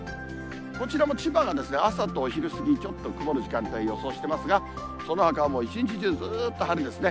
こちらも千葉が朝とお昼過ぎにちょっと曇る時間帯予想していますが、そのほかはもう一日中、ずーっと晴れですね。